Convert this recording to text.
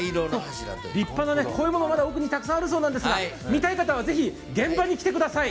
こういうものが奥にたくさんあるそうですが、見たい方はぜひ現場に来てください。